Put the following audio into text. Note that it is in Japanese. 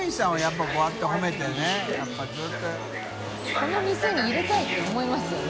この店に入れたい！って思いますよね。